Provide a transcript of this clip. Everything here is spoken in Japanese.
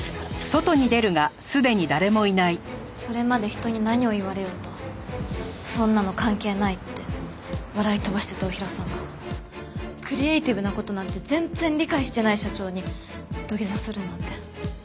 それまで人に何を言われようと「そんなの関係ない」って笑い飛ばしてた太平さんがクリエーティブな事なんて全然理解していない社長に土下座するなんて。